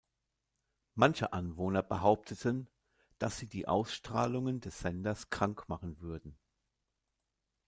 Manche Anwohner behaupteten, dass sie die Ausstrahlungen des Senders krank machen würden.